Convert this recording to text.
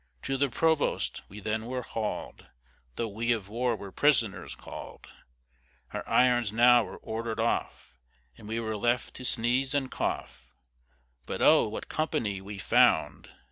To the Provost we then were haul'd, Though we of war were prisoners call'd; Our irons now were order'd off, And we were left to sneeze and cough. But oh! what company we found.